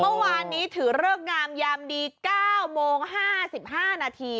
เมื่อวานนี้ถือเลิกงามยามดี๙โมง๕๕นาที